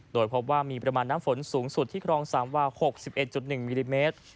โดยพบว่ามีปริมาณน้ำฝนสูงสุดที่ครองสามวา๖๑๑มิลลิเมตร